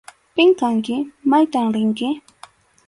¿Pim kanki? ¿Maytam rinki?